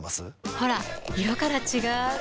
ほら色から違う！